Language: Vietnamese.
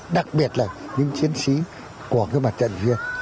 đặc biệt là những chiến sĩ của cái mặt trận vị xuyên